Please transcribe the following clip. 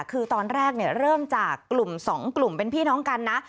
คือตอนแรกเริ่มจากกลุ่ม๒กลุ่มเป็นพี่น้องกันนะ